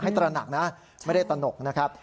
ตระหนักนะไม่ได้ตนกนะครับ